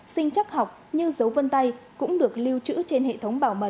sinh chắc học như dấu vân tay cũng được lưu trữ trên hệ thống